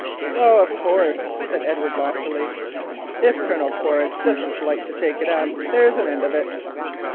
"Oh, of course," said Edward loftily, "if Colonel Quaritch does not like to take it up there's an end of it."